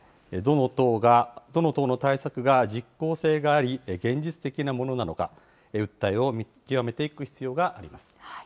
どの党の対策が実効性があり、現実的なものなのか、訴えを見極めていく必要があります。